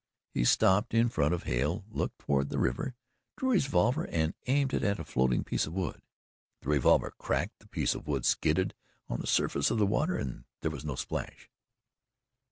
He stopped in front of Hale, looked toward the river, drew his revolver and aimed it at a floating piece of wood. The revolver cracked, the piece of wood skidded on the surface of the water and there was no splash.